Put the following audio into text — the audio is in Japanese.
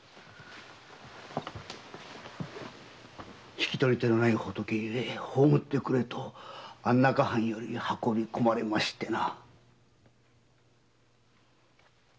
引き取り手のない仏ゆえ葬ってくれと安中藩より運び込まれましてな。